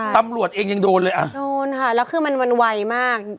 ตำรวจเองยังโดนเลยอ่ะโดนค่ะแล้วคือมันมันไวมาก